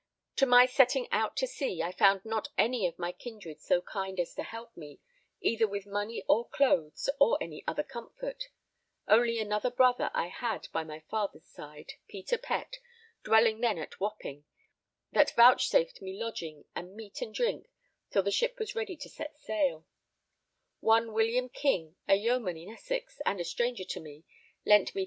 To my setting out to sea, I found not any of my kindred so kind as to help me, either with money or clothes, or any other comfort; only another brother I had by my father's side, Peter Pett, dwelling then at Wapping, that vouchsafed me lodging and meat and drink till the ship was ready to set sail; one William King, a yeoman in Essex and a stranger to me, lent me 3_l.